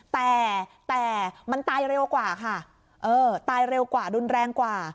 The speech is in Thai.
แต่แต่มันตายเร็วกว่าค่ะเออตายเร็วกว่ารุนแรงกว่า